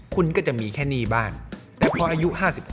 คุณก็จะมีแค่หนี้บ้านแต่พออายุ๕๖